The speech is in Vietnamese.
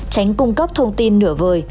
tránh cung cấp thông tin nửa vời